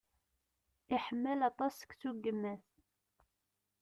Iḥemmel aṭas seksu n yemma-s.